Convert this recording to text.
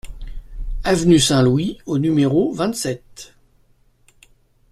Avenue Saint-Louis au numéro vingt-sept